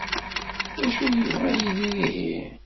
D acu ay yebɣa Yidir ihi?